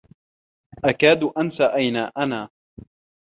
أكاد أنسى أين أنا.